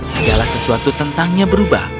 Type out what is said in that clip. segala sesuatu tentangnya berubah